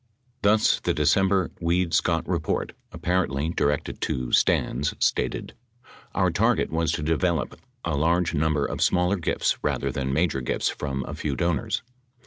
2 Thus, the December Weed Scott report, apparently directed to Stans, stated : Our target was to develop a large number of smaller gifts rather than major gifts from a few donors.